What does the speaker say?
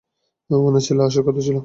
উনার ছেলের আসার কথা ছিল।